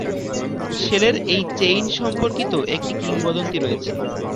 শেলের এই চেইন সম্পর্কিত একটি কিংবদন্তি রয়েছে।